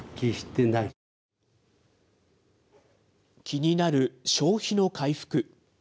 気になる消費の回復。